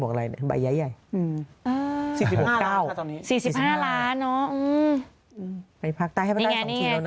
ไข่ภรรยาปั๊กใต้ให้ประมาณ๒นิดแล้วนะ